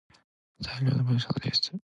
大量の文章の提出